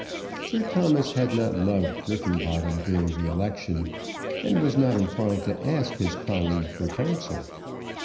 Sir Thomas had not loved Griffenbottom during the election, and was not inclined to ask his colleague for counsel.